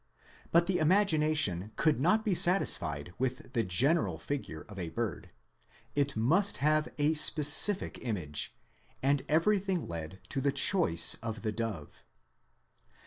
But the imagination could not be satisfied with the general figure of a bird; it must have a specific image, and everything led to the choice of the dove.